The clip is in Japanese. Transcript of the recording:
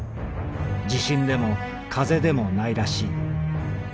地震でも風でもないらしい。